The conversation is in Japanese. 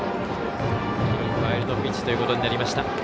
記録ワイルドピッチということになりました。